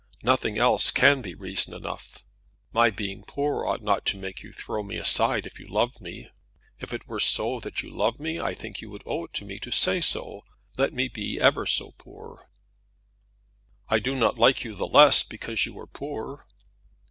Nothing else can be reason enough. My being poor ought not to make you throw me aside if you loved me. If it were so that you loved me, I think you would owe it me to say so, let me be ever so poor." "I do not like you the less because you are poor."